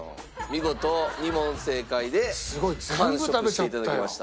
見事２問正解で完食して頂きました。